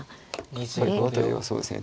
やっぱりこの辺りはそうですね